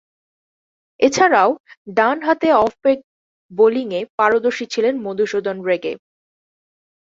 এছাড়াও, ডানহাতে off break বোলিংয়ে পারদর্শী ছিলেন মধুসূদন রেগে।